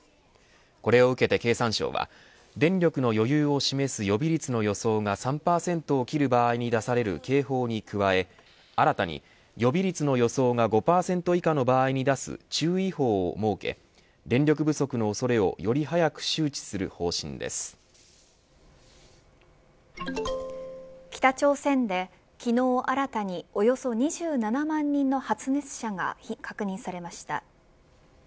これを受けて経産省は電力の余裕を示す予備率の予想が３％を切る場合に出される警報に加え新たに予備率の予想が５％以下の場合に出す注意報を設け電力不足の恐れをより早く北朝鮮で昨日、新たにおよそ２７万人の発熱者が確認されました。